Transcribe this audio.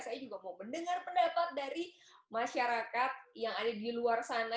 saya juga mau mendengar pendapat dari masyarakat yang ada di luar sana